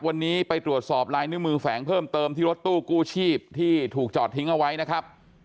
วันนี้ไปตรวจสอบลายนิ้วมือแฝงเพิ่มเติมที่รถตู้กู้ชีพที่ถูกจอดทิ้งเอาไว้นะครับ